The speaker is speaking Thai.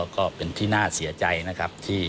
ก็เป็นที่น่าเสียใจนะครับ